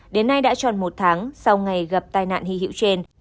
đến nay đã tròn một tháng sau ngày gặp tai nạn hy hữu trên